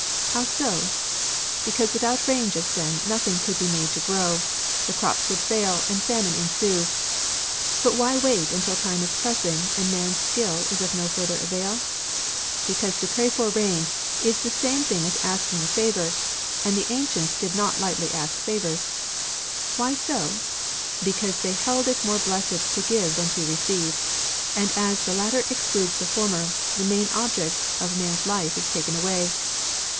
How so ? Because without rain just then nothing could be made to grow ; the crops would fail, and famine ensue. But why wait until time is pressing, and man's skill of no further avail ? Because to pray for rain is the same thing as asking a favour, and the ancients did not lightly ask favours. Why so ? Because they held it more blessed to give than to receive ; and as the latter excludes the former, the main object of man's life is taken away.